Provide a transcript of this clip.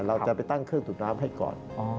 เราจะไปตั้งเครื่องสูบน้ำให้ก่อน